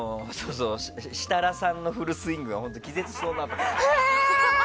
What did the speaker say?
設楽さんのフルスイングは本当に気絶しそうになった。